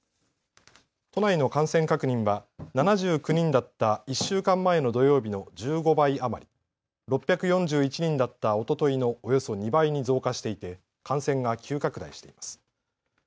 都内の感染確認は７９人だった１週間前の土曜日の１５倍余り、６４１人だったおとといのおよそ２倍に増加していて感染が急拡大しています。